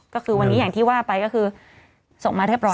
ก็คือวันนี้อย่างที่ว่าไปก็คือส่งมาเรียบร้อ